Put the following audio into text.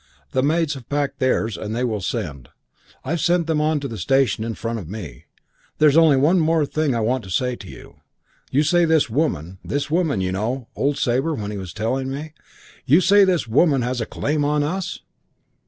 The maids have packed theirs and they will send. I've sent them on to the station in front of me. There's only one more thing I want to say to you. You say this woman ' ('This woman, you know!' old Sabre said when he was telling me.) 'You say this woman has a claim on us?'